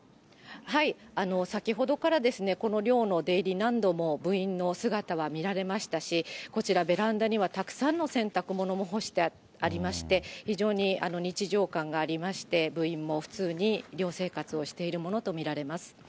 先ほどから、この寮の出入り、何度も部員の姿は見られましたし、こちら、ベランダにはたくさんの洗濯物も干してありまして、非常に日常感がありまして、部員も普通に寮生活をしているものと見られます。